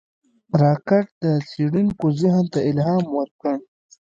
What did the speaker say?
راکټ د څېړونکو ذهن ته الهام ورکړ